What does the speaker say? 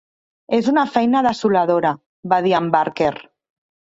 "És una feina desoladora", va dir en Barker.